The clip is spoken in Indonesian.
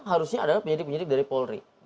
harusnya adalah penyidik penyidik dari polri